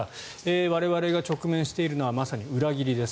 我々が直面しているのはまさに裏切りです。